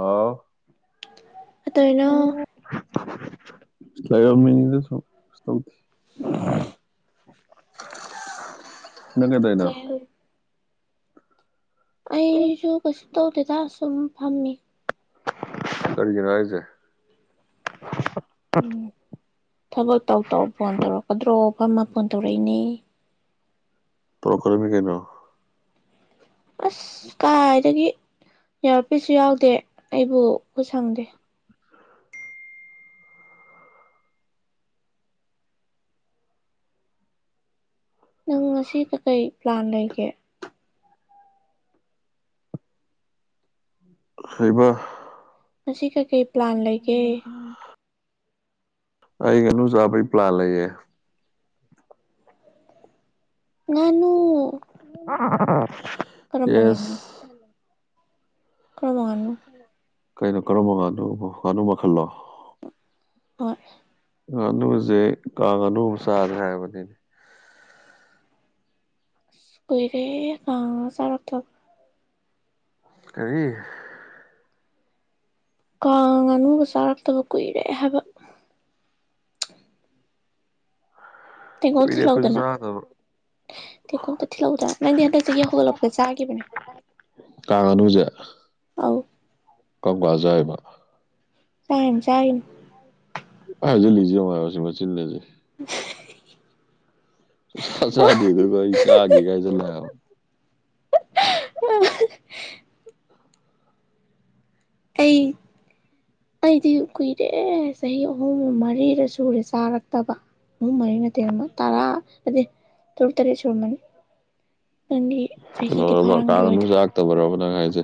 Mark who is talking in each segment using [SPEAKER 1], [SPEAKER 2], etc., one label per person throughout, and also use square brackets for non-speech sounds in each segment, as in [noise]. [SPEAKER 1] ꯑꯥꯑꯣ
[SPEAKER 2] ꯀꯩꯗꯅꯣ
[SPEAKER 1] ꯂꯩꯔꯝꯅꯤꯗ ꯁꯨꯝ
[SPEAKER 2] [inaudible]
[SPEAKER 1] ꯅꯪ ꯀꯩꯗꯦꯔꯤꯅꯣ
[SPEAKER 2] ꯀꯩ ꯑꯩꯁꯨ ꯀꯩꯁꯨ ꯇꯧꯗꯦꯗ ꯁꯨꯝ ꯐꯝꯃꯤ
[SPEAKER 1] ꯀꯔꯤꯒꯤꯅꯣ ꯍꯥꯏꯁꯦ
[SPEAKER 2] ꯎꯝ ꯊꯕꯛ ꯇꯧ ꯇꯧ ꯐꯣꯟ ꯇꯧꯔꯛꯀꯗ꯭ꯔꯣ ꯐ ꯑꯃ ꯐꯣꯟ ꯇꯧꯔꯛꯏꯅꯦ
[SPEAKER 1] ꯄꯣꯈꯃꯤ ꯀꯩꯅꯣ
[SPEAKER 2] ꯑꯁ ꯀꯥꯏꯗꯒꯤ ꯌꯥꯔꯛꯄꯁꯨ ꯌꯥꯎꯗꯦ ꯑꯩꯕꯨ ꯈꯨꯠ ꯁꯪꯗꯦ ꯅꯪ ꯉꯁꯤ ꯀꯔꯤ ꯄ꯭ꯂꯥꯟ ꯂꯩꯒꯦ
[SPEAKER 1] ꯍꯥꯏꯕꯥ
[SPEAKER 2] ꯃꯁꯤ ꯀꯩ ꯀꯩ ꯄ꯭ꯂꯥꯟ ꯂꯩꯒꯦ
[SPEAKER 1] ꯑꯩ ꯀꯅꯨꯖꯥꯕꯩ ꯄ꯭ꯂꯥꯟ ꯂꯩꯌꯦ
[SPEAKER 2] ꯅꯅꯨ
[SPEAKER 1] ꯑ [unintelligible]
[SPEAKER 2] ꯀꯔꯝꯕꯥ ꯉꯥꯅꯨ ꯀ꯭ꯔꯃꯥꯟꯅ
[SPEAKER 1] ꯀꯩꯅꯣ ꯀꯔꯝꯕ ꯉꯥꯅꯣ ꯉꯥꯅꯨ ꯃꯈꯜꯂꯣ
[SPEAKER 2] ꯍꯣꯌ
[SPEAKER 1] ꯉꯅꯨꯁꯦ ꯀꯅꯨ ꯁꯥꯗ꯭ꯔ ꯍꯥꯏꯕꯅꯤꯅꯦ
[SPEAKER 2] ꯁꯀꯣꯏꯔꯦ ꯆꯔ ꯊ
[SPEAKER 1] ꯀꯔꯤ
[SPEAKER 2] ꯀꯥꯡ ꯉꯥꯅꯨꯒ ꯆꯥꯔꯛꯇꯕ ꯀꯨꯏꯔꯦ ꯍꯥꯏꯕ
[SPEAKER 1] ꯀꯣꯏꯅꯦꯈꯣꯁꯨ ꯆꯗꯕ
[SPEAKER 2] ꯀꯣꯝꯇ ꯊꯤꯜꯂꯛꯎꯗ ꯅꯪꯗꯤ ꯍꯟꯗꯛꯁꯤꯒ ꯍꯧꯒꯠꯂꯛꯄ ꯆꯥꯒꯤꯈꯤꯕꯅꯦ
[SPEAKER 1] ꯉꯥꯅꯨꯖꯦ ꯀꯝꯀꯟꯗ ꯆꯥꯔꯤꯕꯥ
[SPEAKER 2] ꯇꯥꯏꯅ ꯆꯅ
[SPEAKER 1] ꯍꯖꯤꯜꯂꯤꯖꯕꯁꯤ ꯃꯆꯤꯟꯜꯖꯤꯦ
[SPEAKER 2] ꯏ [unintelligible]
[SPEAKER 1] ꯆꯨꯁꯥ ꯆꯥꯗꯦ ꯑꯗꯨꯒ ꯑꯩ ꯆꯥꯒꯒꯥꯏꯖ ꯂꯩꯕ
[SPEAKER 2] ꯑꯩ ꯑꯩꯗꯤ ꯀꯨꯏꯔꯦꯍꯦ ꯆꯍꯤ ꯑꯍꯨꯝ ꯃꯔꯤꯗ ꯁꯨꯔꯦ ꯆꯥꯔꯛꯇꯕ ꯑꯍꯨꯝ ꯃꯔꯤ ꯅꯦ ꯇꯔꯥꯗꯤ ꯇꯣꯨꯔ ꯇꯔ ꯆꯃꯅꯤ
[SPEAKER 1] ꯀꯩꯅꯣꯔꯕ
[SPEAKER 2] ꯐꯥꯔꯝꯒꯤꯔꯣꯏꯗ
[SPEAKER 1] ꯀꯥꯡꯅꯁꯨ ꯂꯥꯛꯇꯕꯔꯕ ꯅꯪ ꯍꯥꯏꯁꯦ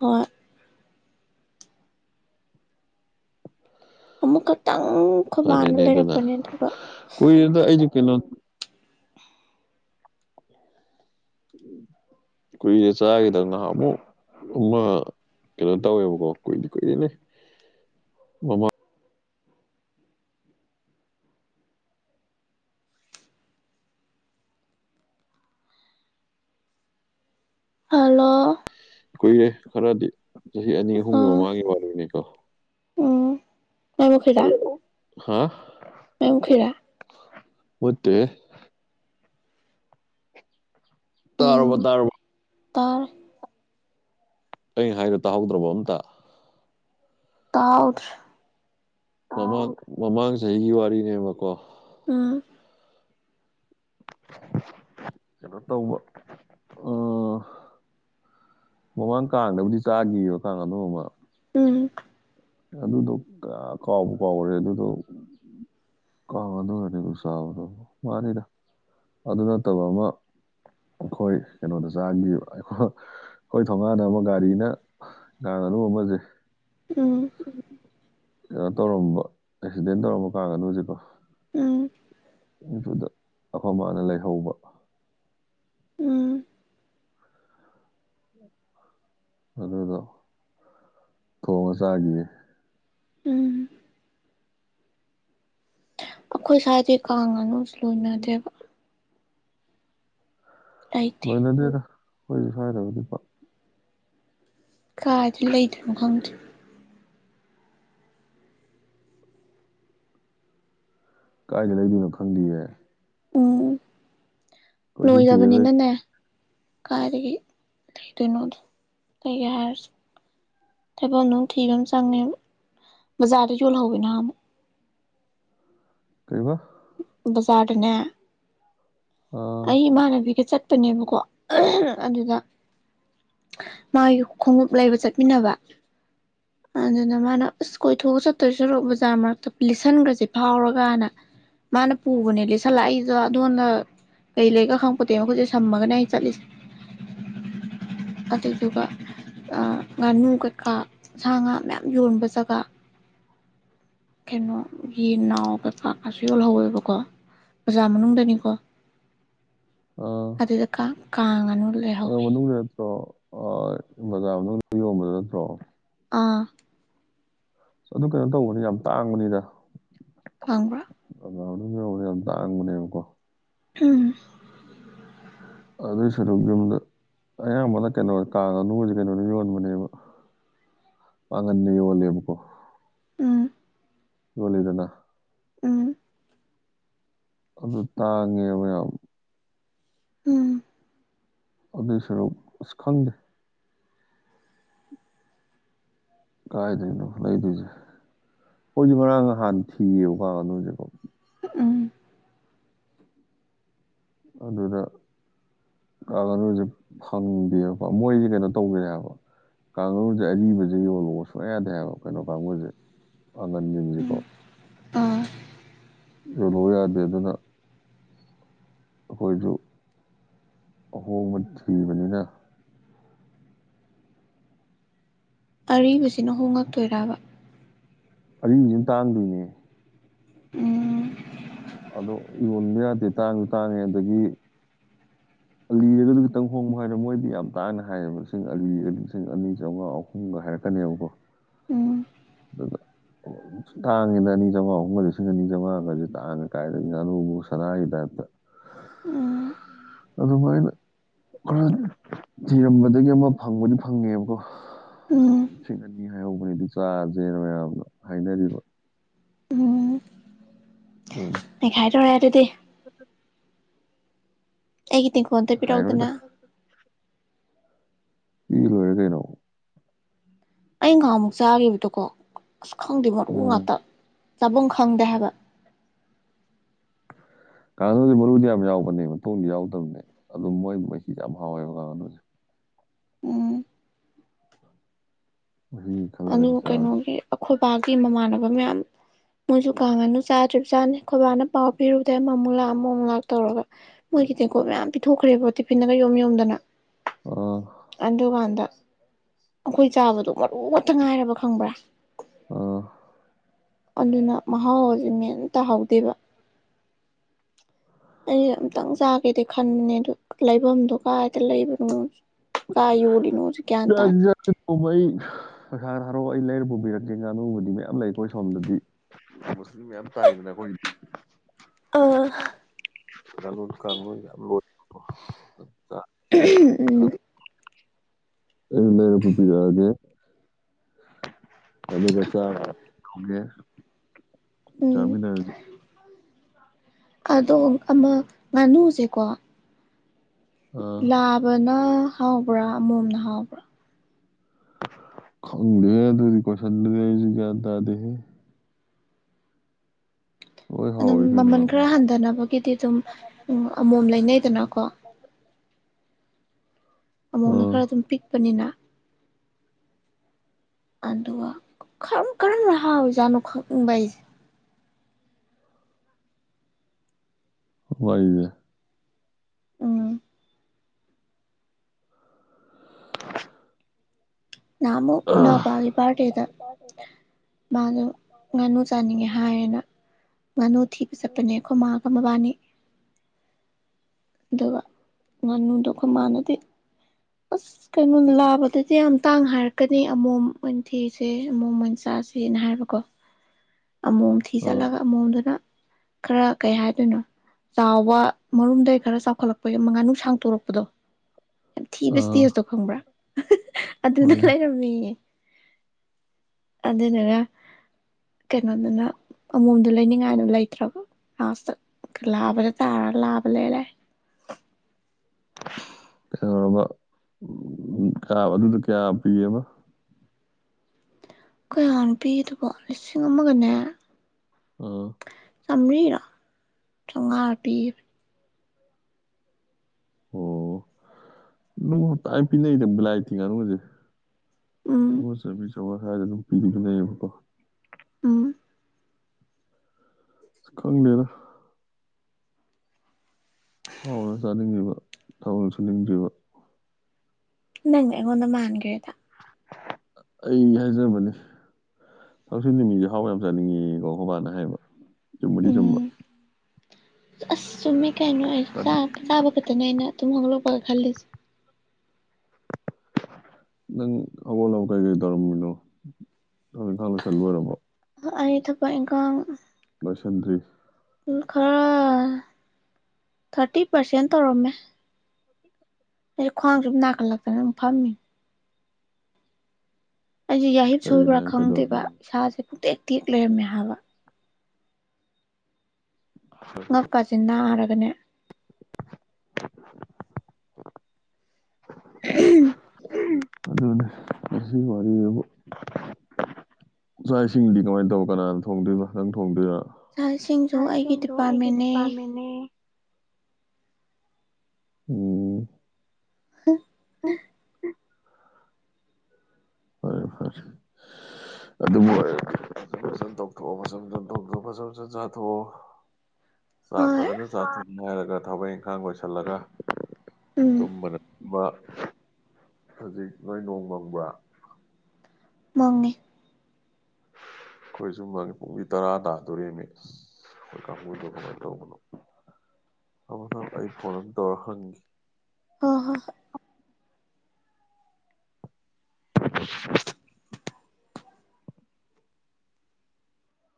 [SPEAKER 2] ꯍꯣꯏ꯫ ꯑꯃꯨꯛ ꯈꯛꯇꯪ ꯈꯨꯕꯥꯅ
[SPEAKER 1] ꯐꯔꯦꯅꯦ ꯑꯗꯨꯅ
[SPEAKER 2] ꯂꯩꯔꯛꯄꯅꯦ ꯑꯗꯨꯒ
[SPEAKER 1] ꯀꯨꯏꯔꯦꯗ ꯑꯩꯗꯤ ꯀꯩꯅꯣ ꯀꯨꯏꯔꯦ ꯆꯥꯈꯤꯗꯧꯅ ꯍꯥꯃꯨ ꯑꯃ ꯀꯩꯅꯣ ꯇꯧꯋꯦꯕꯀꯣ ꯀꯨꯏꯗꯤꯦ ꯀꯨꯏꯗꯦꯅꯦ ꯃꯃꯥ
[SPEAKER 2] ꯍꯂꯣ
[SPEAKER 1] ꯀꯨꯏꯌꯦꯦ ꯈꯔꯗꯤ ꯆꯍꯤ ꯑꯅꯤ ꯑꯍꯨꯝꯒꯤ
[SPEAKER 2] ꯑꯥ
[SPEAKER 1] ꯃꯃꯥꯡꯒꯤ ꯋꯥꯣꯏꯅꯤꯀꯣ
[SPEAKER 2] ꯎꯝ ꯃꯥꯏꯃꯨꯈꯤꯔꯥ
[SPEAKER 1] ꯍꯥꯥ
[SPEAKER 2] ꯃꯥꯏꯃꯨꯈꯤꯔꯥ
[SPEAKER 1] ꯃꯠꯇꯦ ꯇꯔꯕ ꯇꯔꯕ
[SPEAKER 2] ꯇꯔ
[SPEAKER 1] ꯑꯩꯅ ꯍꯥꯏꯔ ꯇꯥꯍꯧꯗ꯭ꯔꯕ ꯑꯝꯇ
[SPEAKER 2] ꯀꯔ
[SPEAKER 1] ꯃꯃꯥꯡ ꯃꯃꯥꯡ ꯆꯍꯤꯒꯤ ꯋꯥꯔꯤꯅꯦꯕꯀꯣ
[SPEAKER 2] ꯑ
[SPEAKER 1] ꯀꯩꯅꯣ ꯇꯧꯕ ꯎꯝ ꯃꯃꯥꯡ ꯀꯥꯡꯗꯕꯨꯗꯤ ꯆꯥꯒꯤꯕ ꯀꯥꯡ ꯑꯃ
[SPEAKER 2] ꯎꯝ
[SPEAKER 1] ꯑꯗꯨꯗꯣ ꯀꯥꯎꯕ ꯀꯥꯎꯔꯦ ꯑꯗꯨꯗꯣ ꯀꯥꯎꯕꯗꯔꯅꯤꯕꯨ ꯁꯥꯕꯗ ꯃꯥꯅꯤꯗ ꯑꯗꯨ ꯅꯠꯇꯕ ꯑꯃ ꯑꯩꯈꯣꯏ ꯀꯩꯅꯣꯗ ꯆꯥꯈꯤꯕ ꯑꯩꯈꯣꯏ ꯊꯧꯅꯥꯥꯟꯅ ꯑꯃ ꯒꯥꯔꯤꯅ ꯁꯅꯃꯁꯦ
[SPEAKER 2] ꯎꯝ
[SPEAKER 1] ꯇꯧꯔꯝꯕ ꯑꯦꯛꯁꯤꯗꯦꯟ ꯇꯧꯔꯝꯕ ꯀ ꯀꯥꯡꯒꯗ ꯍꯧꯖꯤꯛꯀꯣ
[SPEAKER 2] ꯑ
[SPEAKER 1] ꯅꯨꯗꯨꯗ ꯑꯐ ꯃꯥꯅ ꯂꯩꯍꯧꯕ
[SPEAKER 2] ꯑꯣ
[SPEAKER 1] ꯑꯗꯨꯗꯣ ꯊꯣꯡ ꯑ ꯆꯥꯒꯤ
[SPEAKER 2] ꯎꯝ ꯑꯩꯈꯣꯏ ꯁꯥꯗꯗꯤ ꯀꯥꯡ ꯉꯥꯅꯨꯁꯨ ꯂꯣꯏꯅꯗꯦꯕ ꯂꯩꯇꯦ
[SPEAKER 1] ꯂꯣꯏꯅꯗꯤꯦꯗ ꯑꯩꯈꯣꯏꯁꯨ ꯁ꯭ꯋꯥꯏꯗꯕꯗꯤ
[SPEAKER 2] ꯀꯥꯏꯗꯤ ꯂꯩꯗ꯭ꯅꯣ ꯈꯪꯗꯦ
[SPEAKER 1] ꯀꯥꯏꯗ ꯂꯩꯗꯣꯏꯅꯣ ꯈꯪꯗꯌꯦ
[SPEAKER 2] ꯎꯝ
[SPEAKER 1] ꯊꯤꯔ ꯂꯩ
[SPEAKER 2] ꯂꯣꯏꯖꯕꯅꯤꯅꯅꯦ ꯀꯥꯏꯗꯒꯤ ꯂꯩꯗꯣꯏꯅꯣꯗ ꯂꯩꯒꯦ ꯍꯥꯏꯔꯁꯤ ꯊꯥꯏꯕ ꯑꯗꯨ ꯊꯤꯕ ꯑꯃ ꯆꯪꯉꯦ ꯕꯖꯥꯔꯗ ꯌꯣꯜꯍꯧꯋꯤ ꯅꯍ ꯑꯃꯨꯛ
[SPEAKER 1] ꯀꯩꯕ
[SPEAKER 2] ꯕꯖꯥꯔꯅꯦ
[SPEAKER 1] ꯑꯥ
[SPEAKER 2] ꯑꯩ ꯏꯃꯥꯟꯅꯕꯤꯒ ꯆꯠꯄꯅꯦꯕꯀꯣ ꯑꯗꯨꯗ ꯃꯥꯒꯤ ꯈꯣꯡꯎꯞ ꯂꯩꯕ ꯆꯠꯃꯤꯟꯅꯕ ꯑꯗꯨꯅ ꯃꯥꯅ ꯑꯁ ꯀꯣꯏꯊꯣꯛꯑ ꯆꯠꯇꯣꯏ ꯁꯔ ꯕꯖꯥ ꯃꯔꯛꯇ ꯂꯤꯠꯁꯟꯈ꯭ꯔꯁꯦ ꯐꯥꯎꯔꯒꯅ ꯃꯥꯅ ꯄꯨꯕꯅꯦꯅꯦ ꯁꯥꯂꯛꯏꯗ ꯑꯗꯣꯗ ꯀꯩ ꯂꯩꯒ ꯈꯪꯄꯠꯇꯦꯕ ꯃꯈꯈꯣꯏꯁꯦ ꯁꯝꯃꯒꯅꯦ ꯑ ꯆꯠꯂꯤꯁꯦ ꯑꯇꯩꯇꯨ ꯉꯥꯅꯨ ꯀꯠꯈꯥ ꯁꯥ ꯉꯥ ꯃꯌꯥꯝ ꯌꯣꯟꯕ ꯖꯒꯥ ꯀꯩꯅꯣꯒꯤ ꯅꯥꯎ ꯀ ꯀꯥ ꯀꯥꯁꯨ ꯌꯣꯜꯍꯧꯋꯦꯕꯀꯣ ꯕꯖꯥ ꯃꯅꯨꯡꯗꯅꯤ [unintelligible]
[SPEAKER 1] ꯑꯠꯇ꯭ꯔꯣ ꯑ
[SPEAKER 2] ꯑꯅ ꯂꯩꯍꯧꯋꯦ
[SPEAKER 1] ꯕꯥ ꯃꯅꯨꯡꯗ ꯌꯣꯟꯕꯗ ꯅꯠꯇ꯭ꯔꯣ
[SPEAKER 2] ꯑꯥ
[SPEAKER 1] ꯑꯗꯨ ꯀꯩꯅꯣ ꯇꯧꯕꯅꯤ ꯌꯥꯝ ꯇꯥꯡꯕꯅꯤꯗ
[SPEAKER 2] ꯊꯕ꯭ꯔ
[SPEAKER 1] ꯑꯅꯧꯅꯦ ꯌꯥꯝ ꯇꯥꯡꯕꯅꯦꯕꯀꯣ
[SPEAKER 2] ꯎꯝ
[SPEAKER 1] ꯑꯗ ꯁꯔꯒꯗ ꯑꯌꯥꯝꯕꯅ ꯀꯩꯅꯣ ꯀꯥꯗ ꯅꯁ ꯀꯩꯅꯣꯅꯤ ꯌꯣꯟꯕꯅꯦꯕ ꯑꯉꯟꯅ ꯌ ꯋꯥꯂꯕꯀꯣ
[SPEAKER 2] ꯎꯝ
[SPEAKER 1] ꯌꯂꯗꯅ
[SPEAKER 2] ꯎꯝ
[SPEAKER 1] ꯑꯗꯨꯗ ꯇꯥꯥꯡꯉꯦ ꯃꯌꯥꯝ
[SPEAKER 2] ꯎꯝ
[SPEAKER 1] ꯑꯗꯨ ꯁꯔꯣ ꯑꯁ ꯈꯪꯗꯦ ꯀꯥꯏꯗꯣꯏꯅꯣ ꯂꯩꯗꯣꯏꯁꯦ ꯑꯩꯈꯣꯏꯁꯦ ꯃꯔꯥꯡ ꯍꯥꯟ ꯊꯤꯌꯦꯕꯀꯥꯗꯣꯏꯁꯦꯀꯣ
[SPEAKER 2] ꯎꯝ
[SPEAKER 1] ꯑꯗꯨꯗꯗ ꯅꯣꯁꯦ ꯐꯪꯗꯕ ꯃꯣꯏꯁꯦ ꯀꯩꯅꯣ ꯇꯧꯒꯔꯦ ꯍꯥꯏꯕ ꯀꯥꯡꯁꯦ ꯑꯔꯤꯕꯁꯦ ꯌꯣꯜꯂꯣꯑꯣ ꯁꯨꯡꯛ ꯌꯥꯗꯦ ꯍꯥꯏꯕ ꯀꯩꯅꯣ ꯀꯥꯡꯕꯨꯁꯦ ꯑ
[SPEAKER 2] ꯎꯝ
[SPEAKER 1] ꯅꯅꯤꯅꯤꯅꯤꯀꯣ
[SPEAKER 2] ꯑꯥ
[SPEAKER 1] ꯌꯂꯨ ꯌꯥꯗꯦ ꯑꯗꯨꯅ ꯑꯩꯈꯣꯏꯁꯨ ꯑꯍꯣꯡꯕ ꯊꯤꯕꯅꯤꯅ
[SPEAKER 2] ꯑꯔꯤꯕꯁꯤꯅ ꯍꯣꯡꯉꯛꯇꯣꯏꯕ
[SPEAKER 1] ꯑꯔꯤꯁꯤꯅ ꯇꯥꯡꯗꯣꯏꯅꯦ
[SPEAKER 2] ꯎꯝ
[SPEAKER 1] ꯑꯣ ꯌꯣꯟꯕ ꯌꯥꯗꯦ ꯇꯥꯡꯁꯨ ꯇꯥꯡꯉꯦ ꯑꯗꯒꯤ
[SPEAKER 2] [unintelligible] [inaudible]
[SPEAKER 1] ꯑꯂꯤꯔꯒ ꯑꯗꯨ ꯈꯤꯇꯪ ꯍꯣꯡꯕ ꯍꯥꯏꯔꯦ ꯃꯣꯏꯗꯤ ꯌꯥꯝ ꯇꯥꯡꯅ ꯍꯥꯏꯌꯦꯕ ꯂꯤꯁꯤꯡ ꯑꯒ ꯂꯤꯁꯤꯡ ꯑꯅꯤꯥꯝꯉꯥ ꯑꯍꯨꯝꯒ ꯍꯥꯏꯔꯛꯄ ꯀꯅꯦꯕꯕꯨꯣ
[SPEAKER 2] ꯎꯝ
[SPEAKER 1] ꯑꯗꯨ ꯇꯥꯡꯉꯤꯗ ꯑꯅꯤ ꯆꯥꯝꯃꯉꯥ ꯑꯍꯨꯝꯒ ꯂꯤꯁꯤꯡ ꯑꯅꯤ ꯆꯥꯝꯃꯉꯥꯒꯗꯤ ꯇꯥꯡꯉꯤꯅ ꯀꯥꯏꯗ ꯅꯅꯨꯕꯨ ꯆꯅꯥ ꯍꯥꯏꯗꯠꯇ
[SPEAKER 2] ꯎꯝ
[SPEAKER 1] ꯑꯗꯨ ꯃꯣꯏꯅ ꯈꯔ ꯊꯤꯔꯝꯕꯗꯒꯤ ꯑꯃ ꯐꯪꯕꯗꯤ ꯐꯪꯉꯦꯕꯀꯣ
[SPEAKER 2] ꯎꯝ
[SPEAKER 1] ꯂꯤꯁꯤꯡ ꯑꯅꯤ ꯍꯥꯏꯍꯧꯕꯅꯤꯗꯤ ꯆꯥꯖꯦꯅ ꯃꯌꯥꯝꯅ ꯍꯥꯏꯅꯔꯤꯕ ꯑꯗꯨꯅꯤ
[SPEAKER 2] ꯃꯦ ꯈꯥꯏ ꯇꯔꯦꯗꯦꯗꯤ ꯑꯩꯒꯤ ꯇꯦꯡꯈꯣꯣꯟꯗ ꯄꯔꯛꯎꯗꯅ
[SPEAKER 1] ꯍꯥꯏꯔꯣꯏꯗ ꯏ ꯑꯣꯏꯔ ꯀꯩꯅꯣ
[SPEAKER 2] ꯑꯩ ꯉꯥꯏꯍꯥꯛꯃꯨꯛ ꯆꯥꯈꯤꯕꯗꯣꯀꯣ ꯑꯁ ꯈꯪꯗꯦ ꯃꯔꯨ
[SPEAKER 1] ꯎꯝ
[SPEAKER 2] ꯉꯥꯛꯇ ꯆꯕꯨꯡ ꯈꯪꯗꯦ ꯍꯕ
[SPEAKER 1] ꯀꯥꯡꯅꯨꯁꯦ ꯃꯔꯨꯗꯤ ꯌꯥꯝ ꯌꯥꯎꯕꯅꯦ ꯃꯣꯡꯗꯤ ꯌꯥꯎꯗꯕꯅꯦ ꯑꯗꯨꯝ ꯃꯣꯏ ꯃꯩꯤꯗꯤ ꯌꯥꯝ ꯍꯥꯎꯋꯦꯕ ꯀꯥꯡꯅꯨꯁꯦ
[SPEAKER 2] ꯎꯝ
[SPEAKER 1] ꯃꯍꯤ
[SPEAKER 2] ꯑꯗꯨ
[SPEAKER 1] ꯈꯜꯂꯒꯗꯤ ꯆꯥꯕ ꯌꯥꯏ
[SPEAKER 2] ꯀꯩꯅꯣꯒꯤ ꯑꯩꯈꯣꯏꯕꯥꯒꯤ ꯃꯃꯥꯟꯅꯕ ꯃꯌꯥꯝ ꯃꯣꯏꯁꯨ ꯀꯥꯡꯉꯅꯨ ꯆꯥꯗ꯭ꯔꯤꯕꯞ ꯆꯥꯅꯤ ꯈꯣꯏꯕꯥꯅ ꯄꯥꯎ ꯄꯤꯔꯨꯕꯗ ꯃꯃꯨ ꯂꯥꯛ ꯑꯃ ꯃꯃꯨ ꯂꯥꯛ ꯇꯧꯔꯒ ꯑꯩꯒꯤ ꯇꯀꯣꯠ ꯃꯌꯥꯝ ꯄꯤꯊꯣꯛꯈ꯭ꯔꯦꯕ ꯇꯤꯐꯤꯟꯗꯒ ꯌꯣꯝ ꯌꯣꯝꯗꯅ
[SPEAKER 1] ꯑꯥ
[SPEAKER 2] ꯑꯗꯨꯀꯥꯟꯗ ꯑꯩꯈꯣꯏ ꯆꯥꯕꯗꯣ ꯃꯔꯨ ꯑꯃꯇ ꯉꯥꯏꯔꯕ ꯈꯪꯕ꯭ꯔꯥ
[SPEAKER 1] ꯑ
[SPEAKER 2] ꯑꯗꯨꯅ ꯃꯍꯥꯎꯁ ꯃꯦꯟ ꯇꯥꯍꯧꯗꯦꯕ ꯑꯩ ꯑꯝꯇꯪ ꯆꯥꯒꯦꯗꯤ ꯈꯟꯕꯅꯦ ꯑꯗꯨ ꯂꯩꯐꯝꯗꯨꯣ ꯀꯥꯏꯗ ꯂꯩꯕꯅꯣ ꯀꯥꯏ ꯌꯣꯜꯂꯤꯅꯣꯁꯨ ꯒ꯭ꯌꯥꯟ
[SPEAKER 1] ꯆ
[SPEAKER 2] ꯇꯥꯗꯦ
[SPEAKER 1] ꯆ ꯄꯩꯁꯥꯗ ꯍꯥꯏꯔꯛꯑꯣ ꯑꯩ ꯂꯩꯔ ꯄꯨꯕꯤꯔꯛꯀꯦ ꯉꯥꯅꯨꯕꯨꯗꯤ ꯃꯌꯥꯝ ꯂꯩ ꯑꯩꯈꯣꯏ ꯁꯣꯝꯗꯗꯤ ꯃꯨꯁꯂꯤꯝ ꯃꯌꯥꯝ ꯇꯥꯏꯗꯅ ꯑꯩꯈꯣꯏ
[SPEAKER 2] ꯑꯥ
[SPEAKER 1] ꯀꯂ ꯀꯂꯨꯔ ꯑꯩ ꯃ ꯐꯨꯄꯤꯤꯖꯒꯦ ꯑꯗꯨ ꯀꯁꯒ
[SPEAKER 2] ꯎꯝ
[SPEAKER 1] ꯆꯃꯤꯟ ꯍꯥꯏꯖꯤ
[SPEAKER 2] ꯑꯗꯣ ꯑꯃ ꯉꯥꯅꯨꯁꯦꯀꯣ
[SPEAKER 1] ꯑꯥ
[SPEAKER 2] ꯂꯥꯕꯅ ꯑ ꯍꯥꯎ ꯄꯨ꯭ꯔ ꯃꯑꯣꯝꯅ ꯍꯥꯎꯕ꯭ꯔ
[SPEAKER 1] ꯈꯪ ꯑꯗꯨ ꯀꯁꯟꯁꯨ ꯀꯗꯗ ꯂꯣꯏ
[SPEAKER 2] ꯑꯗꯨꯝ
[SPEAKER 1] ꯍꯥꯎꯋꯤ ꯀꯩꯅꯣ
[SPEAKER 2] ꯃꯃꯜ ꯈꯔ
[SPEAKER 1] ꯑꯗꯨꯕꯨ
[SPEAKER 2] ꯍꯟꯊꯅꯕꯒꯤꯗꯤ ꯑꯗꯨꯝ ꯑꯃꯣꯝ ꯂꯩꯅꯩꯗꯅꯀꯣ ꯑꯃꯧꯅ
[SPEAKER 1] ꯑꯥ
[SPEAKER 2] ꯈꯔ ꯑꯗꯨꯝ ꯄꯤꯛꯄꯅꯤꯅ ꯑꯗ ꯀꯔꯝ ꯀꯔꯝ ꯔꯍꯥꯎ ꯑꯣꯏꯖꯥꯅꯣ ꯈꯪꯪꯕꯁꯦ
[SPEAKER 1] ꯍ ꯋꯥꯏꯗ
[SPEAKER 2] ꯎꯝ
[SPEAKER 1] [inaudible]
[SPEAKER 2] ꯅꯃ
[SPEAKER 1] ꯑꯥ
[SPEAKER 2] ꯄꯒꯤꯄꯥꯥꯔꯇꯦꯗ ꯃꯥꯗꯣ ꯉꯥꯅꯨ ꯆꯥꯅꯤꯡꯉꯦ ꯍꯥꯏꯌꯦꯅ ꯉꯥꯅꯨ ꯊꯤꯕ ꯆꯠꯄꯅꯦ ꯑꯩꯈꯣꯏ ꯃꯥꯒ ꯃꯕꯥꯅꯤ ꯑꯗꯨꯒ ꯉꯥꯅꯨꯗꯣ ꯑꯩꯈꯣꯏ ꯃꯥꯟꯅꯗꯦ ꯑꯁ ꯀꯩꯅꯣꯅ ꯂꯥꯕꯗꯗꯤ ꯌꯥꯝ ꯇꯥꯡ ꯍꯥꯏꯔꯛꯀꯅꯤ ꯑꯃꯣꯝ ꯃꯟꯊꯤꯁꯦ ꯑꯃꯣꯝ ꯃꯟꯆꯥꯥꯁꯦ ꯁꯅ ꯍꯥꯏꯕꯀꯣ ꯑꯃꯣꯝ ꯊꯤ ꯆꯠꯂꯒ ꯑꯃꯣꯝꯗꯨꯅ ꯈꯔ ꯀꯩ ꯍꯥꯏꯗꯣꯏꯅꯣ ꯆꯥꯎꯕ ꯃꯔꯨꯝꯗꯒꯤꯩ ꯈꯔ ꯆꯥꯎꯈꯠꯂꯛꯄꯒꯤ ꯃꯉꯥ ꯅꯨꯡ ꯁꯥꯡ ꯇꯣꯔꯛꯄꯗꯣ ꯊꯤꯕꯁ
[SPEAKER 1] ꯑꯥ
[SPEAKER 2] ꯊꯤꯤꯁꯁꯣ ꯈꯪꯕ꯭ꯔꯥ ꯑꯗꯨꯗ
[SPEAKER 1] ꯍꯣꯏꯅꯦ
[SPEAKER 2] ꯂꯩꯔꯝꯃꯤꯌꯦ ꯑꯗꯨꯗꯨꯒ ꯀꯩꯅꯣꯗꯨꯅ ꯑꯃꯣꯝꯗꯣ ꯂꯩꯅꯤꯡꯉꯥꯏꯅ ꯂꯩꯇ꯭ꯔꯕ ꯂꯥꯕ ꯂꯩ ꯇꯥꯔꯅ ꯂꯥꯕ ꯂꯩ ꯂꯩꯦ
[SPEAKER 1] ꯧꯔꯕ ꯎ ꯀ ꯑꯗꯨꯗ ꯀꯌꯥ ꯄꯤꯌꯦꯕ
[SPEAKER 2] ꯀꯌꯥꯟ ꯄꯤꯗꯕ ꯂꯤꯁꯤꯡ ꯑꯃꯒꯅꯦ
[SPEAKER 1] ꯑꯥ
[SPEAKER 2] ꯆꯥꯝꯃꯔꯤꯔꯣ ꯆꯥꯝꯃꯉꯥ ꯄꯤꯕꯅꯦ
[SPEAKER 1] ꯑꯣ ꯅꯅꯨꯡ ꯇꯥꯏ ꯄꯤꯅꯩꯗ ꯕꯤꯂꯥꯏ ꯇꯤꯡꯉꯥꯅꯨꯉꯁꯦ
[SPEAKER 2] ꯎꯝ
[SPEAKER 1] ꯑꯁꯦ ꯃꯤꯁꯨꯁꯋꯥꯏꯗ ꯑꯗꯨꯝ ꯄꯤꯕꯤꯗꯨꯅꯌꯦꯕꯀꯣ
[SPEAKER 2] ꯎ
[SPEAKER 1] ꯈꯪꯅꯦꯔ ꯍꯥꯎꯅ ꯆꯥꯅꯤꯡꯉꯤꯕ ꯊꯅ ꯁꯨꯅꯤꯡꯗ꯭ꯔꯤꯕ
[SPEAKER 2] ꯅꯪꯉꯣꯟ ꯃꯥꯥꯟꯒꯗ
[SPEAKER 1] ꯑꯩ ꯍꯥꯏꯖꯕꯅꯤ ꯍꯪꯆ ꯅꯨꯃꯤꯠꯁꯦ ꯍꯥꯎꯕ ꯌꯥꯝ ꯆꯠꯅꯤꯡꯉꯤꯀꯣ ꯕꯥꯅ ꯍꯥꯏꯕ ꯆꯨꯝꯕꯗꯤ ꯆꯨꯝꯕ
[SPEAKER 2] ꯎꯝ ꯑꯁ ꯆꯨꯝꯃꯦ ꯀꯩꯅꯣ ꯑꯩ ꯆꯥꯕ ꯈꯛꯇꯅꯦ ꯑꯩꯅ ꯑꯗꯨꯨꯝ ꯍ ꯄꯈꯦꯁ
[SPEAKER 1] ꯅꯪ ꯑꯒꯣꯕ ꯀꯩ ꯀꯩ ꯇꯧꯔꯝꯃꯤꯅꯣ ꯑꯗꯨ ꯊꯂ ꯆꯜꯂ ꯑꯣꯏꯔꯝꯕꯣ
[SPEAKER 2] ꯑꯩ ꯊꯕꯛ ꯏꯪꯈꯥꯡ
[SPEAKER 1] ꯂꯣꯏꯁꯟꯗ꯭ꯔꯤ
[SPEAKER 2] ꯈꯔ ꯊꯥꯔꯇꯤ ꯄꯥꯔꯁꯦꯟ ꯇꯧꯔꯝꯃꯦ ꯑꯩ ꯈ꯭ꯋꯥꯡꯁꯨ ꯁꯨꯝ ꯅꯥꯀꯠꯂꯛꯇꯅ ꯑꯗꯨꯝ ꯐꯝꯃꯤ ꯑꯩꯁꯦ ꯌꯥꯍꯤꯞ
[SPEAKER 1] ꯀꯩꯒꯤꯅꯣ
[SPEAKER 2] ꯁꯣꯏꯕ꯭ꯔꯥ
[SPEAKER 1] ꯍꯥꯏ ꯀꯩꯗꯧꯔꯒꯦ
[SPEAKER 2] ꯈꯪꯗꯦꯕ
[SPEAKER 1] ꯑꯃꯨꯛ
[SPEAKER 2] ꯏꯁꯥꯁꯦ ꯄꯇꯦꯛ ꯇꯦꯛ ꯂꯩꯔꯝꯃꯦ ꯍꯥꯏꯕ ꯉꯛꯀꯥꯆꯤꯟ ꯅꯥꯔꯒꯅꯦ ꯍ
[SPEAKER 1] ꯑ ꯏꯆꯥ ꯏꯁꯤꯡꯗꯤ ꯀꯃꯥꯏꯅ ꯇꯧ ꯀꯅꯥꯅ ꯊꯣꯡꯗꯣꯏꯅꯣꯇꯪ ꯊꯣꯡꯗꯣꯏꯔ
[SPEAKER 2] ꯁꯥꯁꯤꯡꯁꯨ ꯑꯩꯒꯤ ꯗꯤꯄꯥꯔꯠꯃꯦꯟꯅꯦ
[SPEAKER 1] ꯎꯝ
[SPEAKER 2] [inaudible]
[SPEAKER 1] ꯐꯔꯦ ꯐꯔꯦ ꯑꯗꯨꯕꯨ ꯐ ꯐꯖꯟ ꯇꯣꯛꯊꯣꯛꯑꯣ ꯐꯖꯖꯟꯊꯣꯛꯇꯣ ꯐꯖ ꯐꯖꯟ ꯆꯥꯊꯣꯛꯑꯣ ꯆꯥꯛ
[SPEAKER 2] ꯍꯣꯏ
[SPEAKER 1] ꯐꯖꯅ ꯆꯥꯛ ꯊꯣꯡ ꯉ ꯍꯥꯏꯔꯒ ꯊꯕꯛ ꯏꯪꯈꯥꯡ ꯂꯣꯏꯁꯤꯜꯂꯒ
[SPEAKER 2] ꯎꯝ
[SPEAKER 1] ꯇꯃꯅꯦꯃ ꯍꯧꯖꯤꯛ ꯅꯣꯏ ꯅꯣꯡ ꯃꯪꯕ꯭ꯔꯥ
[SPEAKER 2] ꯃꯥꯡꯉꯅꯤ
[SPEAKER 1] ꯑꯩꯈꯣꯏ ꯁꯨꯝꯕꯒꯤ ꯄꯨꯡꯁꯤ ꯇꯔꯥ ꯇꯥꯗꯣꯣꯔꯦꯃꯤ ꯀꯕꯨꯗ ꯇ ꯑꯃꯅ ꯑꯩ ꯐꯣꯠ ꯗꯔꯍꯒꯤ
[SPEAKER 2] ꯍ ꯍꯣ ꯍ ꯑ